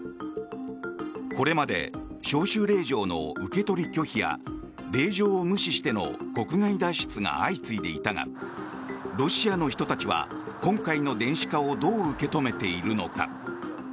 これまで招集令状の受け取り拒否や令状を無視しての国外脱出が相次いでいたがロシアの人たちは今回の電子化をどう受け止めているのか。